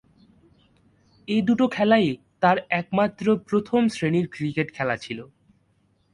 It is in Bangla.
এ দুটো খেলাই তার একমাত্র প্রথম-শ্রেণীর ক্রিকেট খেলা ছিল।